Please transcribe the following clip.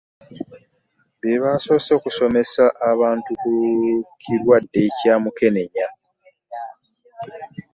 Be basoose okusomesa abantu ku kirwadde kya Mukenenya.